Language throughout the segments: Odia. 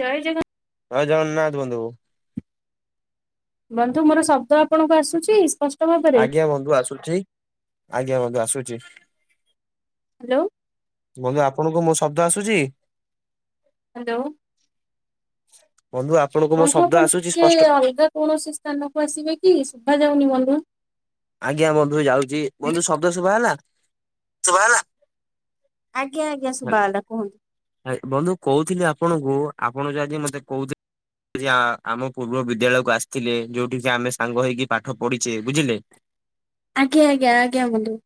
ଜୟ ଜଗନ୍ ହଁ ଜଗନ୍ନାଥ ବନ୍ଧୁ। ବନ୍ଧୁ ମୋର ଶବ୍ଦ ଆପଣଙ୍କୁ ଆସୁଛି? ଭାବରେ ଆଜ୍ଞା ବନ୍ଧୁ ଆସୁଛି, ଆଜ୍ଞା ବନ୍ଧୁ ଆସୁଛି। ହାଲୋ ବନ୍ଧୁ ଆପଣଙ୍କୁ ମୁଁ ଶବ୍ଦ ଆସୁଛି? ହାଲୋ ବନ୍ଧୁ ଆ ବନ୍ଧୁ ଆପଣ ଟିକେ ଅଲଗା କୌଣସି ସ୍ଥାନକୁ ଆସିବେ କି ଶୁଭା ଯାଉନି ବନ୍ଧୁ। ଆଜ୍ଞା ବନ୍ଧୁ ଯାଉଛି। ବନ୍ଧୁ ଶବ୍ଦ ଶୁଭା ହେଲା? ସୁଭା ଗଲା? ଆଜ୍ଞା ଆଜ୍ଞା ସୁଭା ଗଲା କୁହନ୍ତୁ? ବନ୍ଧୁ କହୁଥିଲି ଆପଣଙ୍କୁ ଆପଣ ଯୋଉ ଆଜି ମତେ କହୁଥିଲେ ଆମ ପୂର୍ବ ବିଦ୍ୟାଳୟକୁ ଆସିଥିଲେ ଯୋଉଠି କିି ଆମେ ସାଙ୍ଗ ହେଇକି ପାଠ ପଢିଛେ ବୁଝିଲେ। ଆଜ୍ଞା ଆଜ୍ଞା ଆଜ୍ଞା ବନ୍ଧୁ।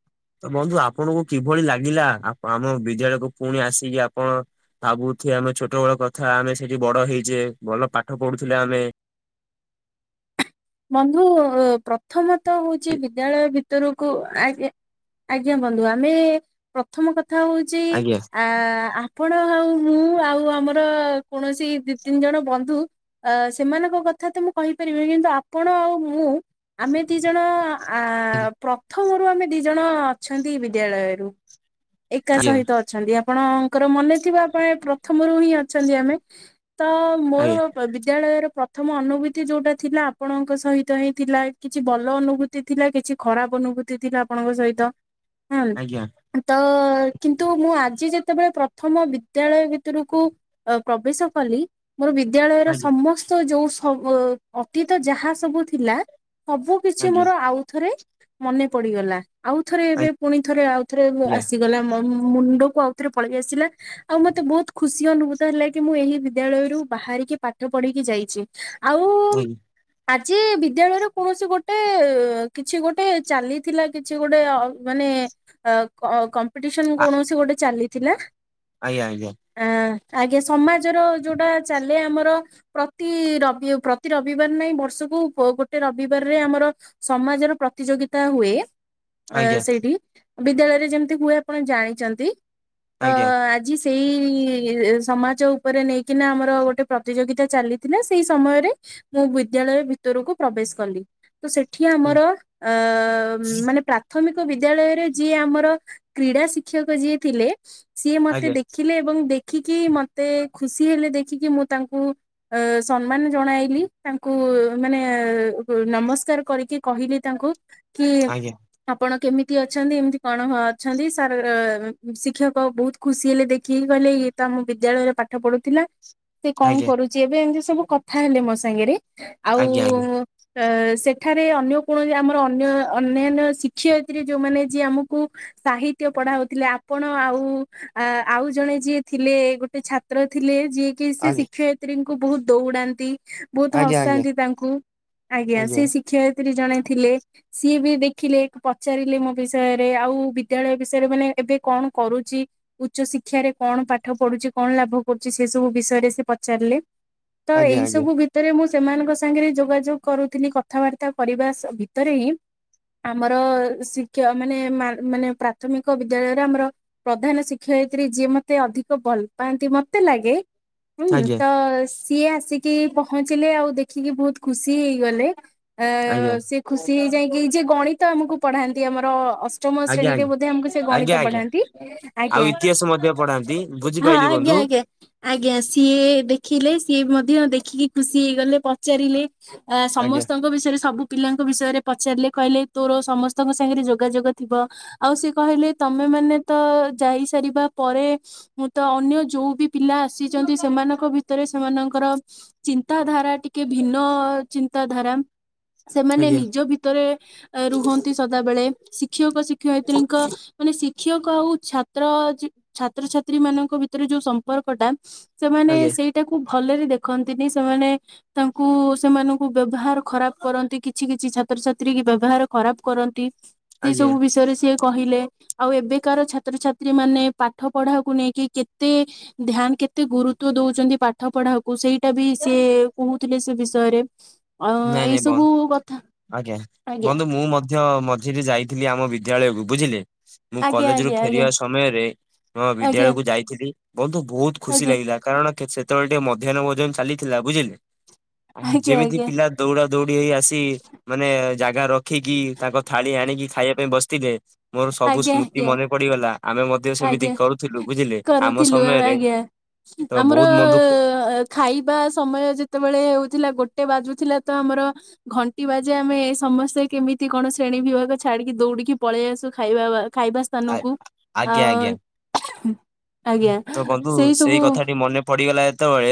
ତ ବନ୍ଧୁ ଆପଣଙ୍କୁ କିଭଳି ଲାଗିଲା ଆମ ବିଦ୍ୟାଳୟକୁ ପୁଣି ଆସିକି କଣ ଭାବୁ ଥିବେ ଆମେ ଛୋଟ ବେଳ କଥା ଆମେ ସେଇଠି ବଡ ହେଇଛେ ଭଲ ପାଠ ପଢୁଥିଲେ ଆମେ ବନ୍ଧୁ ପ୍ରଥମେ ତ ହଉଛି ବିଦ୍ୟାଳୟ ଭିତରକୁ ଆଗ ଆଜ୍ଞା ବନ୍ଧୁ। ଆମେ ପ୍ରଥମ କଥା ହଉଚି ଆଜ୍ଞା ଆ ଆପଣ ଆଉ ମୁଁ ଆଉ ଆମର କୌଣସି ଦି ତିନି ଜଣ ବନ୍ଧୁ ଅ ସେମାନଙ୍କ କଥା ତ ମୁଁ କହିପାରିବିନି ତ ଆପଣ ଆଉ ମୁଁ ଆମେ ଦି ଜଣ ଆ-ପ୍ର ପ୍ରଥମରୁ ଆମେ ଦି ଜଣ ଅଛନ୍ତି ବିଦ୍ୟାଳୟରୁ ଏକା ଆଜ୍ଞା ସହିତ ଅଛନ୍ତି ଆପଣଙ୍କର ମନେ ଥିବା ଆପଣ ପ୍ରଥମରୁ ହିଁ ଅଛନ୍ତି ଆମେ। ତ ମୋର ଆଜ୍ଞା ବିଦ୍ୟାଳୟର ପ୍ରଥମ ଅନୁଭୂତି ଯୋଉଟା ଥିଲା ଆପଣଙ୍କ ସହିତ ହିଁ ଥିଲା କିଛି ଭଲ ଅନୁଭୂତି ଥିଲା କିଛି ଖରାପ ଅନୁଭୂତି ଥିଲା ଆପଣଙ୍କ ସହିତ ଆଜ୍ଞା। ତ କିନ୍ତୁ ମୁଁ ଆଜି ଯେତେବେଳେ ପ୍ରଥମ ବିଦ୍ୟାଳୟ ଭିତରକୁ ଅ ପ୍ରବେଶ କଲି ମୋର ବିଦ୍ୟାଳୟର ଆଜ୍ଞା। ସମସ୍ତ ଯୋଉ ସବୁ ଅତୀତ ଯାହା ସବୁ ଥିଲା ସବୁ କିଛି ଆଜ୍ଞା ମୋର ଆଉଥରେ ମନେ ପଡିଗଲା। ଆଉଥରେ ଏବେ ପୁଣି ଥରେ ଆଉ ଥରେ ଆଜ୍ଞା ଆସିଗଲା ମ-ମୁଣ୍ଡକୁ ଆଉ ଥରେ ପଳେଇ ଆସିଲା ଆଉ ମତେ ବହୁତ ଖୁସି ଅନୁଭୂତ ହେଲା କି ମୁଁ ଏହି ବିଦ୍ୟାଳୟରୁ ବାହାରିକି ପାଠ ପଢିକି ଯାଇଛି। ଆଉ- ଆଜ୍ଞା। ଆଜି ବିଦ୍ୟାଳୟରେ କୌଣସି ଗୋଟେ କିଛି ଗୋଟେ ଚାଲିଥିଲା କି କିଛି ଗୋଟେ ମାନେ କମ୍ପିଟିସନ ଆ- କୌଣସି ଗୋଟେ ଚାଲିଥିଲା ଆଜ୍ଞା ଆଜ୍ଞା। ଆ ଆଜ୍ଞା ସମାଜର ଯୋଉଟା ଚାଲେ ଆମର ପ୍ରତି ରବି ପ୍ରତି ରବିବାର ନାଇଁ ବର୍ଷକୁ ଗୋଟେ ରବିବାରରେ ଆମର ସମାଜର ପ୍ରତିଯୋଗିତା ହୁଏ ଅ ଆଜ୍ଞା ସେଇଠି ବିଦ୍ୟାଳୟରେ ଯେମିତି ହୁଏ ଆପଣ ଜାଣିଛନ୍ତି। ତ ଆଜ୍ଞା ଆଜି ସେଇ ସମାଜ ଉପରେ ନେଇକିନା ଆମର ଗୋଟେ ପ୍ରତିଯୋଗିତା ଚାଲିଥିଲା ସେଇ ସମୟରେ ମୁଁ ବିଦ୍ୟାଳୟ ଭିତରକୁ ପ୍ରବେଶ କଲି। ତ ସେଠି ହୁଁ ଆମର ଅ ମାନେ ପ୍ରାଥମିକ ବିଦ୍ୟାଳୟରେ ଯିଏ ଆମର କ୍ରୀଡ଼ା ଶିକ୍ଷକ ଯିଏ ଥିଲେ ସିଏ ମତେ ଆଜ୍ଞା ଦେଖିଲେ ଏବଂ ଦେ ଦେଖିକି ମତେ ଖୁସି ହେଲେ ଦେଖିକି, ମୁଁ ତାଙ୍କୁ ଅ ସମ୍ମାନ ଜଣାଇଲି ତାଙ୍କୁ ମାନେ ନମସ୍କାର କରିକି କହିଲି ତାଙ୍କୁ, କି ଆଜ୍ଞା ଆପଣ କେମିତି ଅଛନ୍ତି ଏମିତି କଣ ହ ଅଛନ୍ତି ସାର୍ ଶିକ୍ଷକ ବୋହୁତ୍ ଖୁସି ହେଲେ ଦେଖିକି। କହିଲେ ଇଏ ତ ଆମ ବିଦ୍ୟାଳୟରେ ପାଠ ପାଠ ପଢୁଥିଲା। ସେ କଣ ଆଜ୍ଞା କରୁଛି ଏବେ ଏମିତି ସବୁ କଥା ହେଲେ ମୋ ସାଙ୍ଗରେ, ଆଉ ଆଜ୍ଞା ସେଠାରେ ଅନ୍ୟ କୌଣସି ଆମର ଅନ୍ୟ ଅନ୍ୟାନ୍ୟ ଶିକ୍ଷୟିତ୍ରୀ ଯୋଉମାନେ ଯିଏ ଆମକୁ ସାହିତ୍ୟ ପଢା ହଉଥିଲେ ଆପଣ ଆଉ ଆ ଆଉ ଜଣେ ଯିଏ ଥିଲେ ଗୋଟେ ଛାତ୍ର ଥିଲେ ଯିଏ କି ସେ ଆଜ୍ଞା ଶିକ୍ଷୟତ୍ରୀଙ୍କୁ ବହୁତ ଦୌଡାନ୍ତି ବହୁତ ଆଜ୍ଞା ହସାନ୍ତି ତାଙ୍କୁ, ଆଜ୍ଞା ସିଏ ଶିକ୍ଷୟିତ୍ରୀ ଜଣେ ଥିଲେ, ସିଏ ବି ଦେଖିଲେ ପଚାରିଲେ ମୋ ବିଷୟରେ ଆଉ ବିଦ୍ୟାଳୟ ବିଷୟରେ ମାନେ ଏବେ କଣ କରୁଛି? ଉଚ୍ଚ ଶିକ୍ଷାରେ କଣ ପାଠ ପଢୁଛି କଣ ଲାଭ କରୁଛି ସେ ସବୁ ବିଷୟରେ ସେ ପଚାରିଲେ? ତ ଆଜ୍ଞା ଆଜ୍ଞା ଆଜ୍ଞା ଆଜ୍ଞା ଆଜ୍ଞା ଏଇ ସବୁ ଭି ଭିତରେ ମୁଁ ସେମାନଙ୍କ ସାଙ୍ଗରେ ଯୋଗାଯୋଗ କରୁଥିଲି କଥାବାର୍ତ୍ତା କରିବା ଭିତରେ ହିଁ ଆମର ଶିକ୍ଷା ମାନେ ମାନେ ପ୍ରାଥମିକ ବିଦ୍ୟାଳୟରେ ଆମର ପ୍ରଧାନ ଶିକ୍ଷୟିତ୍ରୀ ଯିଏ ମତେ ଅଧିକ ଭଲ ପାଆନ୍ତି ମତେ ଲାଗେ ହୁଁ ଆଜ୍ଞା ତ ସିଏ ଆସିକି ପହଞ୍ଚିଲେ ଆଉ ଦେଖିକି ବହୁତ ଖୁସି ହେଇଗଲେ ଆ ସିଏ ଖୁସି ହେଇଯାଇକି ଯିଏ ଗଣିତ ଆମକୁ ପଢାନ୍ତି ଆମର ଅଷ୍ଟମ ଆଜ୍ଞା ଆଜ୍ଞା ଶ୍ରେଣୀ ବୋଧେ ଆମକୁ ସେ ଗଣିତ ଆଜ୍ଞା ପଢାନ୍ତି ଆଉ ଆଜ୍ଞା ଇତିହାସ ମଧ୍ୟ ପଢାନ୍ତି ହଁ ବୁଝିପାଇଲି ଆଜ୍ଞା ବନ୍ଧୁ। ଆଜ୍ଞା। ଆଜ୍ଞା ସିଏ ଦେଖିଲେ ସିଏ ମଧ୍ୟ ଦେଖିକି ଖୁସି ହେଇଗଲେ ପଚାରିଲେ ଆ ଆଜ୍ଞା ସମସ୍ତଙ୍କ ବିଷୟରେ ସବୁ ପିଲାଙ୍କ ବିଷୟରେ ପଚାରିଲେ କହିଲେ ତୋର ସମସ୍ତଙ୍କ ସାଙ୍ଗରେ ଯୋଗାଯୋଗ ଥିବ। ଆଉ ସେ କହିଲେ ତମେ ମାନେ ତ ଯାଇ ସାରିବା ପରେ ମୁଁ ତ ଅନ୍ୟ ଯୋଉ ବି ପିଲା ଆସିଛନ୍ତି ସେମାନଙ୍କ ଭିତରେ ସେମାନଙ୍କର ଚିନ୍ତାଧାରା ଟିକେ ଭିନ୍ନ ଚିନ୍ତାଧାରା ସେମାନେ ଆଜ୍ଞା ନିଜ ଭିତରେ ରୁହନ୍ତି ସଦାବେେଳେ ଶିକ୍ଷକ ଶିକ ଶିକ୍ଷୟତ୍ରୀଙ୍କ ମାନେ ଖିକ୍ ଶିକ୍ଷକ ଆଉ ଛାତ୍ର ଜି ଛାତ୍ରଛାତ୍ରୀ ମାନଙ୍କ ଭିତରେ ଯୋଉ ସମ୍ପର୍କଟା? ସେମାନେ ଆଜ୍ଞା ସେଇଟାକୁୁ ଭଲରେ ଦେଖନ୍ତିନି ସେମାନେ ତାଙ୍କୁ ସେମାନଙ୍କୁ ବ୍ୟବହାର ଖରାପ କରନ୍ତି କିଛି କିଛି ଛାତ୍ରଛାତ୍ରୀ କି ବ୍ୟବହାର ଖରାପ କରନ୍ତି। ସେ ଆଜ୍ଞା ସବୁ ବିଷୟରେ ସିଏ କହିଲେ ଆଉ ଏବେକାର ଛାତ୍ରଛାତ୍ରୀ ମାନେ ପାଠ ପଢାକୁ ନେଇକି କେତେ ଧ୍ୟାନ କେତେ ଗୁରୁତ୍ବ ଦଉଛନ୍ତି ପାଠ ପଢାକୁ ସେଇଟା ବି ସେ କହୁଥିଲେ ସେ ବିଷୟରେ। ଅ ନାଇଁ ଏଇ ନାଇଁ ବନ୍ଧୁ ସବୁ କଥା ଆଜ୍ଞା। ଆଜ୍ଞା। ବନ୍ଧୁ ମୁଁ ମଧ୍ୟ ମଝିରେ ଯାଇଥିଲି ଆମ ବିଦ୍ୟାଳୟକୁ ବୁଝିଲେ। ମୁଁ ଆଜ୍ଞା କଲେଜ ରୁ ଆଜ୍ଞା ଫେରିବା ସମୟରେ ମୋ ଆଜ୍ଞା ବିଦ୍ୟାଳୟକୁୁ ଯାଇଥିଲି ବନ୍ଧୁ ବହୁତ ଖୁସି ଆଜ୍ଞା ଲାଗିଲା କାରଣ ସେତେବେଳେ ଟିକେ ମଧ୍ୟାହ୍ନ ଭୋଜନ ଚାଲିଥିଲା ବୁଝିଲେ ଆଜ୍ଞା ଆଜ୍ଞା ଆଜ୍ଞା ଯେମିତି ଦୌଡ଼ା ଦୌଡି ହେଇ ଆସି ମାନେ ଜାଗା ରଖିକି ତାଙ୍କ ଥାଳି ଆଣିକି ଖାଇବା ପାଇଁ ବସିଥିଲେ। ମୋର ସବୁ ଆଜ୍ଞା ସ୍ମୃତି ଆଜ୍ଞା ମନେ ପଡିଗଲା ଆମେ ମଧ୍ୟ ସେମିତି ଆଜ୍ଞା କରୁଥିଲୁ ବୁଝିଲେ ଆମ କରୁଥିଲୁ ଆମେ ସମୟରେ ଆଜ୍ଞା ତ ଆମର ବହୁତ ବନ୍ଧୁ ଅ ଖାଇବା ସମୟ ଯେତେବେଳେ ହଉଥିଲା ଗୋଟେ ବାଜୁଥିଲା ତ ଆମର ଘଣ୍ଟି ବାଜେ ଆମେ ସମସ୍ତେ କେମିତି କଣ ଶ୍ରେଣୀ ବିଭାଗ ଛାଡିକି ଦୌଡିକି ପଳେଇ ଆସୁ ଖାଇବା ଖାଇବା ଆ ସ୍ଥାନକୁ ଆ ଆଜ୍ଞା ଆଜ୍ଞା [unintelligible] ଆଜ୍ଞା ତ ବନ୍ଧୁ ସେଇ ସବୁ କଥାଟି ମନେ ପଡିଗଲା ଯେତେବେଳେ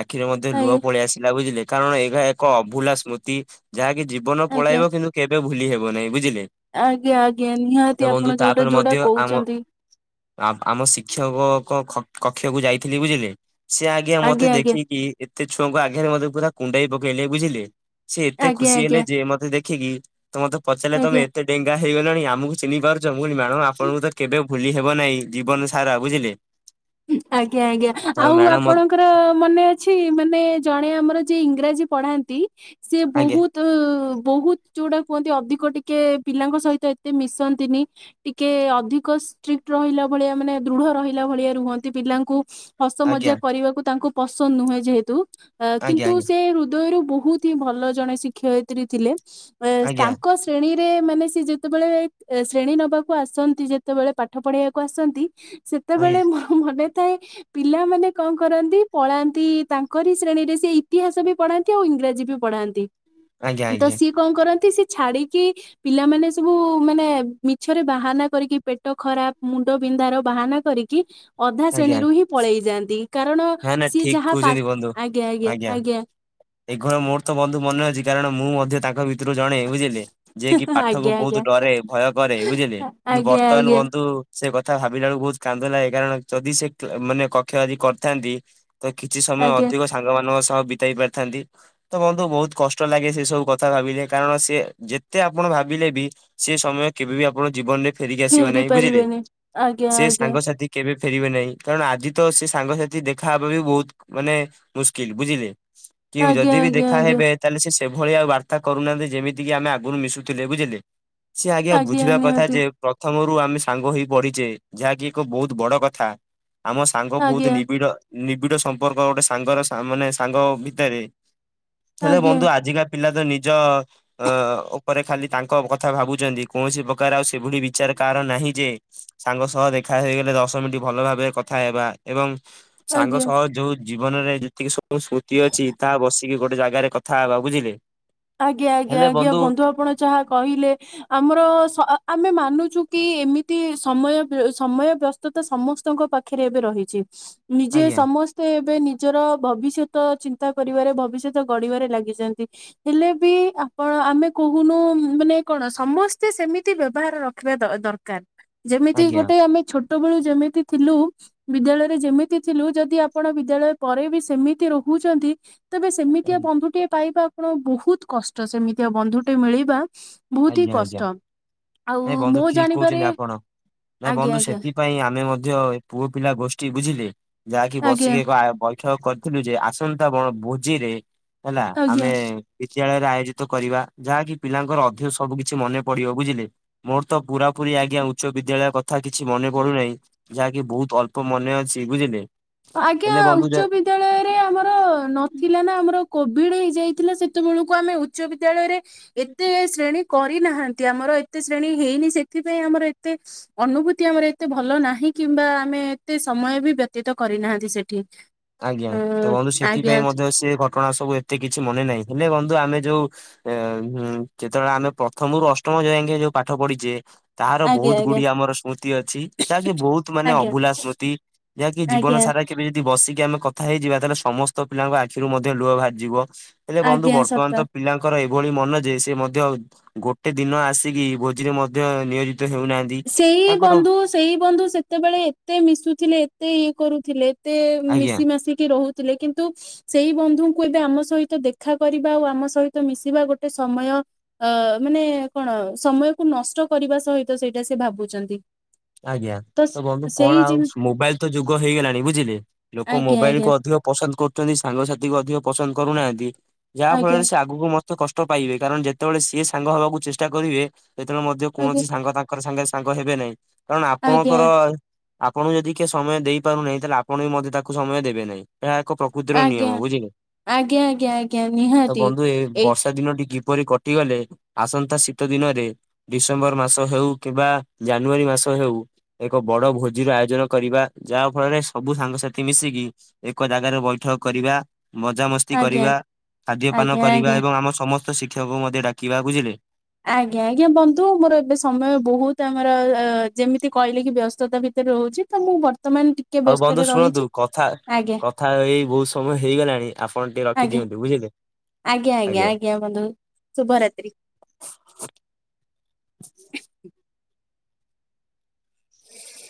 ଆଖିରେ ମଧ୍ୟ ଲୁହ ଆଜ୍ଞା ପଳେଇ ଆସିଲା ବୁଝିଲେ। କାରଣ ଏହା ଏକ ଅଭୁଲା ସ୍ମୃତି ଯାହାକି ଜୀବନ ଆଜ୍ଞା ପଳାଇବ କିନ୍ତୁ କେବେ ଭୁଲି ହେବ ନାହିଁ ବୁଝିଲେ। ଆଜ୍ଞା ଆଜ୍ଞା ତ ନିହାତି ବନ୍ଧୁ ଆପଣ ଯୋଉଟା ତାପରେ ଯୋଉଟା ମଧ୍ୟ ଆମ କହୁଛନ୍ତି। ଆ ଆମ ଶିକ୍ଷକ କକ୍ଷକୁ ଯାଇଥିଲି ବୁଝିଲେ ସେ ଆଜ୍ଞା ମତେ ଦେଖିକି ଏତେ ଛୁଆଙ୍କ ଆଗରେ ମତେ ପୁରା କୁଣ୍ଢେଇ ପକେଇଲେ ବୁଝିଲେ। ସେ ଏତେ ଆଜ୍ଞା ଖୁସି ହେଲେ ଆଜ୍ଞା ଯେ ମତେ ଦେଖିକି ତ ମତେ ପଚାରିଲେ ତମେ ଆଜ୍ଞା ଏତେ ଡେଙ୍ଗା ହେଇଗଲଣ ଆମକୁ ଚିହ୍ନି ପାରୁଛ ମୁଁ କହିଲି ମ୍ୟାମ ଆପଣଙ୍କୁ ତ କେବେ ଭୁଲି ହେବ ନାହିଁ ଜୀବନ ସାରା ବୁଝିଲେ। ଆଜ୍ଞା ଆଜ୍ଞା ତ ଆଉ ମ୍ୟାଡାମ ମ ଆପଣ ଙ୍କର ମନେ ଅଛି ମାନେ ଜଣେ ଆମର ଯିଏ ଇଂରାଜୀ ପଢାନ୍ତି ସିଏ ଆଜ୍ଞା ବହୁତ ତ ବହୁତ ଯୋଉଟା କୁହନ୍ତି ଅଧିକ ଟିକେ ପିଲାଙ୍କ ସହିତ ଏତେ ମିଶନ୍ତିନି ଟିକେ ଅଧିକ ଷ୍ଟ୍ରିକ୍ଟ ରହିଲା ଭଳିଆ ମାନେ ଦୃଢ ରହିଲା ଭଳିଆ ରୁହନ୍ତି ପିଲାଙ୍କୁ ହସ ମଜା ଆଜ୍ଞା କରିବାକୁ ତାଙ୍କୁ ପସନ୍ଦ ନୁହେଁ ଯେହେତୁ ଅ ଆଜ୍ଞା କିନ୍ତୁ ସେ ହୃଦୟରୁ ବହୁତ ହିଁ ଭଲ ଜଣେ ଶିକ୍ଷୟିତ୍ରୀ ଥିଲେ ଏନ୍ ଆଜ୍ଞା ଆଜ୍ଞା ତାଙ୍କ ଶ୍ରେଣୀରେ ମାନେ ସି ଯେତେବେଳେ ଶ୍ରେଣୀ ନେବାକୁ ଆସନ୍ତି, ଯେତେବେଳେ ପାଠ ପଢ଼େଇବାକୁ ଆସନ୍ତି ସେତେବେଳେ ମୋ ମନେ ଥାଏ ପିଲାମାନେ କଣ କରନ୍ତି, ପଳାନ୍ତି ତାଙ୍କରି ଶ୍ରେଣୀରେ ସେ ଇତିହାସ ବି ପଢାନ୍ତି ଆଉ ଇଂରାଜୀ ବି ପଢ଼ାନ୍ତି। ଆଜ୍ଞା ଆଜ୍ଞା ତ ଆଜ୍ଞା ସିଏ କଣ କରନ୍ତି ସିଏ ଛାଡିକି ପିଲାମାନେ ସବୁ ମାନେ ମିଛରେ ବାହାନା କରିକି ପେଟ ଖରାପ ମୁଣ୍ଡ ବିନ୍ଧାର ବାହାନା କରିକି ଅଧା ଆଜ୍ଞା ଶ୍ରେଣୀରୁ ହିଁ ପଳେଇ ଯାଆନ୍ତି। କାରଣ ନା ନା ସିଏ ଠିକ ଯାହା ପା ଆଜ୍ଞା- ଆଜ୍ଞା- ଆଜ୍ଞା ଏ ଘର ମୋର ତ ବନ୍ଧୁ ମନେ ଅଛି କାରଣ ମୁଁ ମଧ୍ୟ ତାଙ୍କ ଭିତରୁ ଜଣେ। ବୁଝିଲେ ଯିଏ କିି ପାଠକୁ ଆଜ୍ଞା ଆଜ୍ଞା ବହୁତ ଡରେ ଭୟ କରେ, ବୁଝିଲେ କିନ୍ତୁ ଆଜ୍ଞା ଆଜ୍ଞା ବର୍ତ୍ତମାନ ଆଜ୍ଞା ବନ୍ଧୁ ସେ କଥା ଭାବିଲା ବେଳକୁ ବହୁତ କାନ୍ଦ ଲାଗେ। କାରଣ ଯଦି ସେ ମାନେ କକ୍ଷ ଆଦି କରିଥାନ୍ତି। ତ କିଛି ସମୟ ଆଜ୍ଞା ଅଧିକ ସାଙ୍ଗମାନାନଙ୍କ ସହ ବିତାଇ ପାରିଥାନ୍ତି। ତ ବନ୍ଧୁ ବହୁତ କଷ୍ଟ ଲାଗେ ସେ ସବୁ କଥା ଭାବିଲେ, କାରଣ ସେ ଯେତେ ଆପଣ ଭାବିଲେ ବି ସେ ସମୟ କେବେ ବି ଆପଣ ଜୀବନରେ ଫେରିକି ଆସିବ ଫେରି ନାହିଁ। ବୁଝିଲେ ପାରିବେନି ଆଜ୍ଞା ସେ ଆଜ୍ଞା ସାଙ୍ଗସାଥି କେବେ ଫେରିବେ ନାହିଁ। କାରଣ ଆଜି ତ ସେ ସାଙ୍ଗସାଥି ଦେଖାହବା ବି ବହୁତ ମାନେ ମୁସ୍କିଲ। ବୁଝିଲେ କି ଆଜ୍ଞା ଯଦି ବି ଆଜ୍ଞା ଦେଖା ଆଜ୍ଞା ହେବେ ତାହେଲେ ସେଭଳି ଆଉ ବାର୍ତ୍ତାୁନାହାନ୍ତି ଯେମିତି କିି ଆମେ ଆଗରୁ ମିଶୁଥିଲେ। ବୁଝିଲେ ସେି ଆଜ୍ଞା ବୁଝିବା କଥା ଯେ ପ୍ରଥମରୁ ଆମେ ସାଙ୍ଗ ହେଇ ପଢିଛେ, ଯାହାକି ଏକ ବହୁତ ବଡ କଥା। ଆମ ସାଙ୍ଗ ବହୁତ ଆଜ୍ଞା ନିବିଡ଼ ନିବିଡ଼ ସମ୍ପର୍କ ଗୋଟେ ସାଙ୍ଗର ମାନେ ସାଙ୍ଗ ଭିତରେ ହେଲେ ଆଜ୍ଞା ବନ୍ଧୁ ଆଜିକା ପିଲା ତ ନିଜ ଅ ଉପରେ ଖାଲି ତାଙ୍କ କଥା ଭାବୁଛନ୍ତି। କୌଣସି ପ୍ରକାର ଆଉ ସେଭଳି ବିଚାର କାାର ନାହିଁ ଯେ ସାଙ୍ଗ ସହ ଦେଖା ହେଇଗଲେ ଦଶ ମିନିଟ ଭଲ ଭାବରେ କଥା ହେବା ଏବଂ ସାଙ୍ଗ ଆଜ୍ଞା ସହ ଯୋଉ ଜୀବନରେ ଯେତିକି ସବୁ ସ୍ମୃତି ଅଛି ତାହା ବସିକି ଗୋଟେ ଜାଗାରେ କଥା ହବା। ବୁଝିଲେ ଆଜ୍ଞା-ଆଜ୍ଞା-ଆଜ୍ଞା ବନ୍ଧୁ ଆପଣ ଯାହା କହିଲେ ଆମର ସ ଆମେ ମାନୁଛୁ କି ଏମିତି ସମୟ ସମୟ ବ୍ୟ ସମସ୍ତଙ୍କ ପାଖରେ ଏବେ ରହିଛି ନିଜେ ଆଜ୍ଞା ସମ ତ ଏବେ ନିଜର ଭବିଷ୍ୟତ ଚିନ୍ତା କରିବାରେ ଭବିଷ୍ୟତ ଗଢିବାରେ ଲାଗିଛନ୍ତି। ହେଲେ ବି ଆପଣ ଆମେ କହୁନୁ ମାନେ କଣ ସମସ୍ତେ ସେମିତି ବ୍ୟବହାର ର ରଖିବା ଦରକାର, ଯେମିତି ଆଜ୍ଞା ଗୋଟେ ଆମେ ଛୋଟ ବେଳୁ ଯେମିତି ଥିଲୁ ବିଦ୍ୟାଳୟରେ ଯେମିତି ଥିଲୁ, ଯଦି ଆପଣ ବିଦ୍ୟାଳୟ ପରେ ବି ସେମିତି ରହୁଛନ୍ତି। ତେବେ ସେମିତିଆ ବନ୍ଧୁଟିଏ ପାଇବା ଆପଣ ବହୁତ କଷ୍ଟ। ସେମିତିଆ ବନ୍ଧୁଟି ମିଳିବା ବହୁତି କଷ୍ଟ। ଆଉ ନାଇ ବନ୍ଧୁ ମୋ ଠିକ ଜାଣିବାରେ କହୁଛନ୍ତି ଆପଣ। ନାଇଁ ଆଜ୍ଞା ବନ୍ଧୁ ଆଜ୍ଞା ସେଥିପାଇଁ ଆମେ ମ ଧ୍ୟ ପୁଅ ପିଲା ଗୋଷ୍ଠୀ ବୁଝିଲେ ଯାହାକି ଆଜ୍ଞା ବସିକି ଏକ ଆ କରିଥିଲୁ ଯେ, ଆସନ୍ତା ବଣ ଭୋଜିରେ ହେଲା ଆଜ୍ଞା ଆମେ ବିଦ୍ୟାଳୟରେ ଆୟୋଜିତ କରିବା ଯାହାକି ପିଲାଙ୍କର ଅଧ ସବୁ କିଛି ମନେ ପଡିବ। ବୁଝିଲେ ମୋର ତ ପୁରା ପୁରି ଆଜ୍ଞା ଉଚ୍ଚ ବିଦ୍ୟାଳୟ କଥା କିଛି ମନେ ପଡୁନାହି। ଯାହାକି ବହୁତ ଅଳ୍ପ ମନେ ଅଛି। ବୁଝିଲେ ଆଜ୍ଞା ହେଲେ ବନ୍ଧୁ ଯଦି ଉଚ୍ଚ ବି ବିଦ୍ୟାଳୟରେ ଆମର ନଥିଲା ନା ଆମର କୋଭିଡ ହେଇଯାଇଥିଲା ସେତେବେଳକୁ ଆମେ ଉଚ୍ଚ ବିଦ୍ୟାଳୟରେ ଏତେ ଶ୍ରେଣୀ କରିନାହାନ୍ତି, ଆମର ଏତେ ଶ୍ରେଣୀ ହେଇନି ସେଥିପାଇଁ ଆମର ଏତେ ଅନୁଭୂତି ଆମର ଏତେ ଭଲ ନାହିଁ କିମ୍ବା ଆମେ ଏତେ ସମୟ ବି ବ୍ୟତୀତ କରିନାହାନ୍ତି ସେଠି। ଆଜ୍ଞା ଉ ତ ବନ୍ଧୁ ଆଜ୍ଞା ସେଥିପାଇଁ ମଧ୍ୟ ସେ ଘଟଣା ସବୁ ଏତେ କିଛି ମନେ ନାହିଁ। ହେଲେ ବନ୍ଧୁ ଆମେ ଯୋଉ ଏଁ ଯେତେବେଳେ ଆମେ ପ୍ରଥମରୁ ଅଷ୍ଟମ ଯାଏଙ୍କେ ଯୋଉ ପାଠ ପଢିଛେ ତାହାର ଆଜ୍ଞା ବହୁତ ଆଜ୍ଞା ଗୁଡିଏ ଆମର ସ୍ମୃତି ଅଛି। ଯାହାକି ବହୁତ ମାନେ ଆଜ୍ଞା ଅଭୁଲା ସ୍ମୃତି। ଯାହାକି ଜୀବନ ଆଜ୍ଞା ସାରା କେବେ ଯଦି ବସିକି ଆମେ କଥା ହେଇଯିବା ତାହେଲେ ସମସ୍ତ ପିଲାଙ୍କ ଆଖିରୁ ମଧ୍ୟ ଲୁହ ବାହାରିଯିବ। ହେଲେ ବନ୍ଧୁ ଆଜ୍ଞା ବର୍ତ୍ତମାନ ସତ ତ ପିଲା ତାଙ୍କର ଏଭଳି ମନ ଯେ ସେ ମଧ୍ୟ ଗୋଟେ ଦିନ ଆସିକି ଭୋଜିରେ ମଧ୍ୟ ନିୟୋଜିତ ହେଉନାହାନ୍ତି। ସେଇ ତାଙ୍କର ବନ୍ଧୁ ସେଇ ବନ୍ଧୁ ସେତେବେଳେ ଏତେ ମିଶୁଥିଲେ ଏତେ ଇଏ କରୁଥିଲେ। ମତେ ଆଜ୍ଞା ମିଶି ମାସିକି ରହୁଥିଲେ। କିନ୍ତୁ ସେଇ ବନ୍ଧୁଙ୍କୁ ଏବେ ଆମ ସହିତ ଦେଖା କରିବା ଆ ଆମ ସହିତ ମିଶିବା ଗୋଟେ ସମୟ ଆ ମାନେ କଣ ସମୟକୁ ନଷ୍ଟ କରିବା ସହିତ ସେଇଟା ସେ ଭାବୁଛନ୍ତି! ଆଜ୍ଞା। ତ ବନ୍ଧୁ କଣ ସେଇ ଆଉ ଜିନି ମୋବାଇଲ ତ ଯୁଗ ହେଇଗଲାଣି ବୁଝିଲେ? ଲୋକ ଆଜ୍ଞା ମୋବାଇଲକୁ ଅଧିକ ପସନ୍ଦ କରୁ ଛନ୍ତି, ସାଙ୍ଗସାଥି ଅଧିକ ପସନ୍ଦ କରୁନାହାନ୍ତି। ଯାହା ଆଜ୍ଞା ଫଳରେ ସେ ଆଗକୁ କଷ୍ଟ ପାଇବେ। କାରଣ ଯେତେବେଳେ ସିଏ ସାଙ୍ଗ ହବାକୁ ଚେଷ୍ଟା କରିବେ? ସେତେବେଳେ ମଧ୍ୟ ଆଜ୍ଞା କୌଣସି ସାଙ୍ଗ ତାଙ୍କ ର ସାଙ୍ଗେ ସାଙ୍ଗ ହେବେ ନାହିଁ। କାରଣ ଆଜ୍ଞା ଆପଣଙ୍କର ଆପଣଙ୍କୁ ଯଦି କିଏ ସମୟ ଦେଇପାରୁ ନାହିଁ ତାହେଲେ ଆପଣ ବି ମଧ୍ୟ ତାକୁ ସମୟ ଦେବେ ନାହିଁ। ଏହା ଏକ ପ୍ରକୃତିର ନିୟମ ଆଜ୍ଞା ବୁଝିଲେ। ଆଜ୍ଞା ଆଜ୍ଞା ଆଜ୍ଞା ଆଜ୍ଞା ତ ନିହାତି ବନ୍ଧୁ ଏ ଏଇ ବର୍ଷା ଦିନ ଟିକେ କିପରି କଟିଗଲେ, ଆସନ୍ତା ଶୀତ ଦିନରେ ଡିସେମ୍ବର ମାସ ହେଉ କିମ୍ବା ଜାନୁଆରୀ ମାସ ହେଉ ଏକ ବଡ ଭୋଜିର ଆୟୋଜନ କରିବା। ଯାହା ଫଳରେ ସବୁ ସାଙ୍ଗସାଥି ମିଶିକି ଏକ ଜାଗାରେ ବୈଠକ କରିବା। ମଜାମସ୍ତି ଆଜ୍ଞା କରିବା। ଖାଦ୍ୟପାନ ଆଜ୍ଞା କରିବା ଆଜ୍ଞା ଏବଂ ଆମ ସମସ୍ତ ଶିକ୍ଷକ ମଧ୍ୟ ଡାକିବା। ବୁଝିଲେ? ଆଜ୍ଞା ଆଜ୍ଞା। ବନ୍ଧୁ ମୋର ଏବେ ସମୟ ବହୁତ ଆମର ଯେମିତି କହିଲେ କି ବ୍ୟସ୍ତତା ଭିତରେ ରହୁଛି। ତ ମୁଁ ବର୍ତ୍ତମାନ ଟିକେ ହଉ ବନ୍ଧୁ ବ୍ୟସ୍ତରେ ଶୁଣନ୍ତୁ ରହିଛି କଥା ଆଜ୍ଞା କଥା ହେଇ ବହୁତ ସମୟ ହେଇଗଲାଣି ଆପଣ ଟିକେ ଆଜ୍ଞା ରଖିଦିଅନ୍ତୁ। ବୁଝିଲେ? ଆଜ୍ଞା ଆଜ୍ଞା। ଆଜ୍ଞା ବନ୍ଧୁ ଶୁଭରାତ୍ରି।